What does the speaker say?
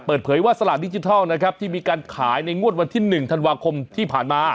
เปิดเผยว่าสลากดิจิทัลนะครับที่มีการขายในงวดวันที่๑ธันวาคมที่ผ่านมา